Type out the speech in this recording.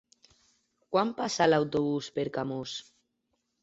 Quan passa l'autobús per Camós?